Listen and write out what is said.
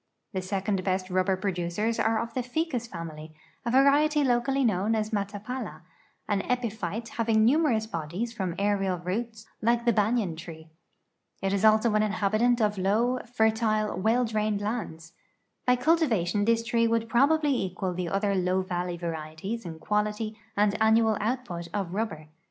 The second bi st rub ber producers are of the ficus ftimily, a variety locally known as matapala.an epyphite having numerous l)odies from aerial roots (like thebanyan tree). It is also an inhabitant of low, fertile, 86 R UBBEIl FORESTS OF NIC A RA G UA A ND SIERRA LEONE well drained lands. B}^ cultivation this tree would probalily equal the other low valley varieties in quality and annual out put of rubber.